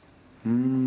うん。